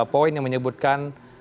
poin yang menyebutkan